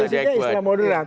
solusinya islam moderat